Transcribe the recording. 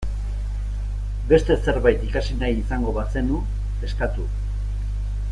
Beste zerbait ikasi nahi izango bazenu, eskatu.